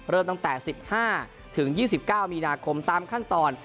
เริ่มตั้งแต่๑๕ถึง๒๙มีนาคมตามขั้นตอน